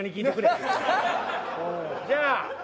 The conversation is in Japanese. じゃあ。